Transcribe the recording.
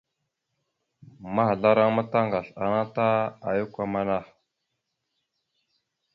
Mahəzlaraŋa ma taŋgasl ana ta ayak amanah.